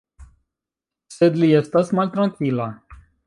Sed li estas maltrankvila.